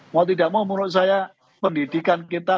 mau tidak mau menurut saya pendidikan kita